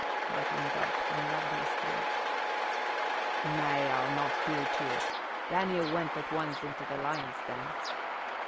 Martin gulped and rubbed his throat. "Nay, I'll not hear to it. Daniel went but once into the lion's den."